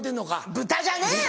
豚じゃねえよ！